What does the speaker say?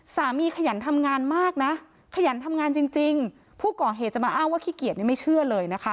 สามีขยันทำงานมากขยันทำงานจริงผู้ก่อเหตุจะมาอ้างว่าขี้เกียจไม่เชื่อเลย